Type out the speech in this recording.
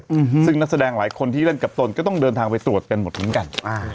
อืมซึ่งนักแสดงหลายคนที่เล่นกับตนก็ต้องเดินทางไปตรวจกันหมดเหมือนกันอ่า